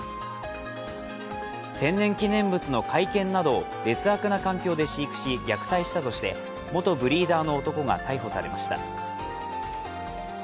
天然記念物の甲斐犬などを劣悪な環境で飼育し虐待したとして元ブリーダーの男が逮捕されました。